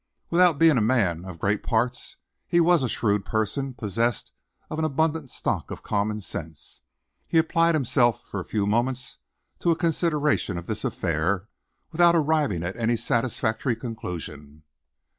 Without being a man of great parts, he was a shrewd person, possessed of an abundant stock of common sense. He applied himself, for a few moments, to a consideration of this affair, without arriving at any satisfactory conclusion.